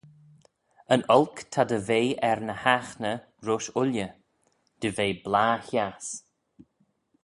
"Yn olk ta dy ve er ny haghney roish ooilley; dy ve blah-hiass."